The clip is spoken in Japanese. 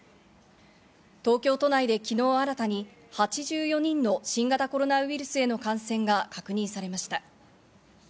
東京都内で昨日新たに８４人の新型コロナウイルスへの感染が確認されました。